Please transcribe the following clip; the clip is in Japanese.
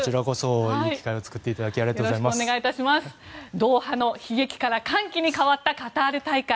ドーハの悲劇から歓喜に変わったカタール大会